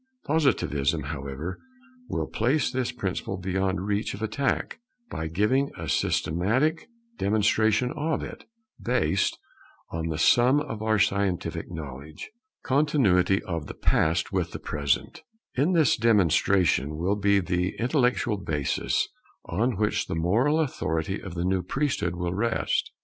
Positivism, however, will place this principle beyond reach of attack, by giving a systematic demonstration of it, based on the sum of our scientific knowledge. [Continuity of the past with the present] And this demonstration will be the intellectual basis on which the moral authority of the new priesthood will rest.